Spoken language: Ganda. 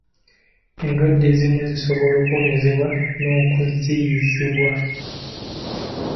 Endwadde ezimu zisobola okuwonyezebwa n'okuziyizibwa.